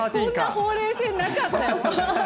ほうれい線なかったよ。